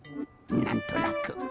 なんとなく。